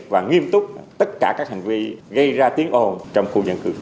và nghiêm túc tất cả các hành vi gây ra tiếng ồn trong khu nhân thương